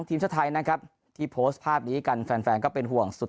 ทีมชาติไทยนะครับที่โพสต์ภาพนี้กันแฟนก็เป็นห่วงสุด